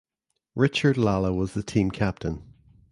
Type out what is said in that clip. Richard Lalla was the team captain.